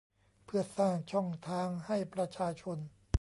เพื่อสร้างช่องทางให้ประชาชน